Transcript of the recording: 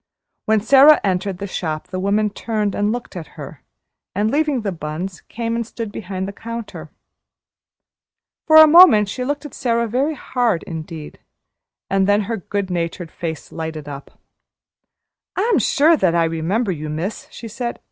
When Sara entered the shop the woman turned and looked at her and, leaving the buns, came and stood behind the counter. For a moment she looked at Sara very hard indeed, and then her good natured face lighted up. "I'm that sure I remember you, miss," she said.